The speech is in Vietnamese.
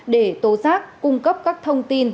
để tố giác cung cấp các thông tin